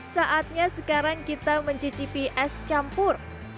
saatnya sekarang kita mencicipi es campur